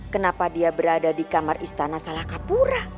kenapa dia berada di kamar istana salakapura